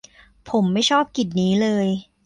ผมไม่ชอบกลิ่นนี้เลย